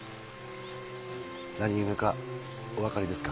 何故かお分かりですか？